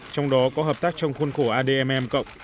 trong đó có hợp tác trong khuôn khổ admm